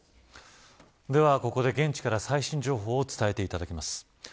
では、ここで現地から最新情報を伝えていただきます。